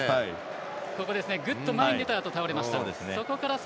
グッと前に出たあと倒れました。